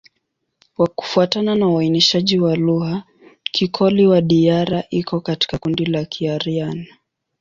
Kufuatana na uainishaji wa lugha, Kikoli-Wadiyara iko katika kundi la Kiaryan.